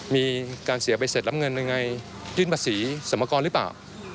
มีการเสียไปเสร็จรับเงินยังไงยื่นภาษีสมกรหรือเปล่า